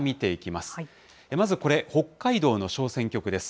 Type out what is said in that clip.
まずこれ、北海道の小選挙区です。